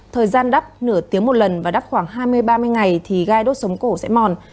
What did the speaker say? thời gian đắp nửa tiếng một lần và đắt khoảng hai mươi ba mươi ngày thì gai đốt sống cổ sẽ mòn